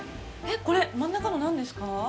これ、真ん中のは何ですか。